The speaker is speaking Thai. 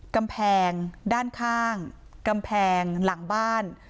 กำแพงด้านข้างกำแพงหลังบ้าน